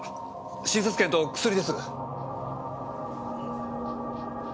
診察券と薬です。